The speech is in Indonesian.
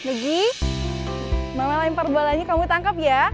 lagi mama lempar bolanya kamu tangkap ya